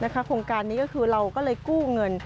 โครงการนี้ก็คือเราก็เลยกู้เงิน